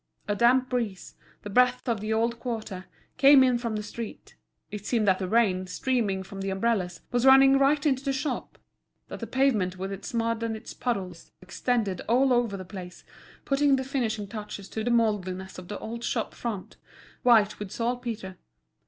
A damp breeze, the breath of the old quarter, came in from the street; it seemed that the rain, streaming from the umbrellas, was running right into the shop, that the pavement with its mud and its puddles extended all over the place, putting the finishing touches to the mouldiness of the old shop front, white with saltpetre.